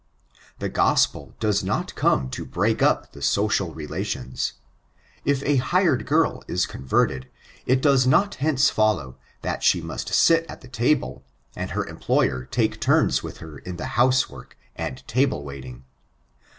The gospel does not come to break up the social relations. If a hired girl is converted, it does not hence fellow, that she must sit at the table, and her employer take turns with her in the house work, and table waiting.